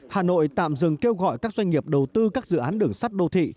hà nội tạm dừng kêu gọi các doanh nghiệp đầu tư các dự án đường sắt đô thị